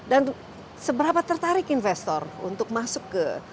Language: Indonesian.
dan seberapa tertarik investor untuk masuk ke